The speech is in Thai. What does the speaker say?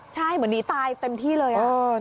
ใช่เหมือนหนีตายเต็มที่เลย